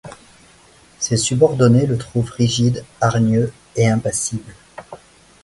Ses subordonnés le trouve rigide, hargneux et impassible.